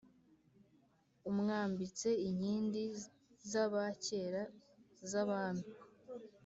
amwambitse inkindi z’abakera z’abami,